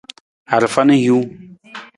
Arafa na hiwung.